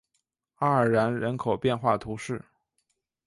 阿尔然人口变化图示